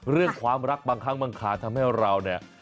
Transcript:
เรื่องความรักบางครั้งบางคาทำให้เราเนี่ย